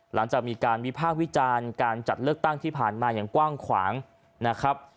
หลังจากมีการวิพากษ์วิจารณ์การจัดเลือกตั้งที่ผ่านมาอย่างกว้างขวางนะครับ